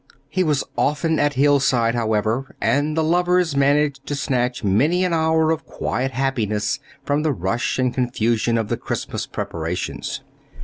He was often at Hillside, however, and the lovers managed to snatch many an hour of quiet happiness from the rush and confusion of the Christmas preparations.